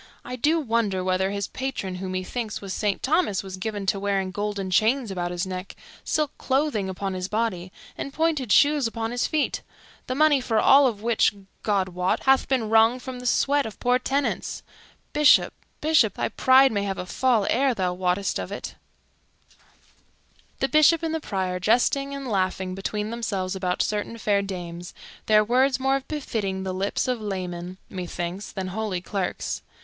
I do wonder whether his patron, who, methinks, was Saint Thomas, was given to wearing golden chains about his neck, silk clothing upon his body, and pointed shoes upon his feet; the money for all of which, God wot, hath been wrung from the sweat of poor tenants. Bishop, Bishop, thy pride may have a fall ere thou wottest of it." So the holy men came to the church; the Bishop and the Prior jesting and laughing between themselves about certain fair dames, their words more befitting the lips of laymen, methinks, than holy clerks.